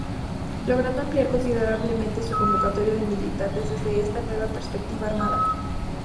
Logrando ampliar considerablemente su convocatoria de militantes desde esta nueva perspectiva armada.